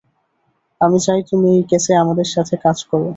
আমি চাই তুমি এই কেসে আমাদের সাথে কাজ করো।